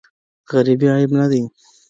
غریبي عیب نه دی.